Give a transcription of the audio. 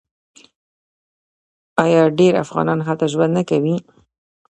آیا ډیر افغانان هلته ژوند نه کوي؟